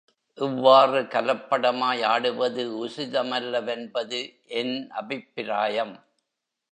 இவ்வாறு கலப்படமாய் ஆடுவது உசிதமல்லவென்பது என் அபிப்பிராயம்.